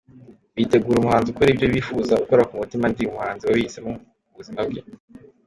Bitegure umuhanzi ukora ibyo bifuza, ukora ku mutima, ndi umuhanzi wabihisemo nk’ubuzima bwe.